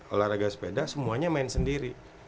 olahraga sepeda semuanya main sendiri